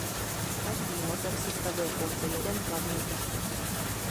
Každý motor sestavuje pouze jeden hlavní technik.